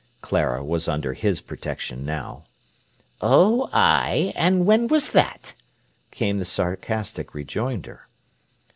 Clara was under his protection now. "Oh, ay! and when was that?" came the sarcastic rejoinder.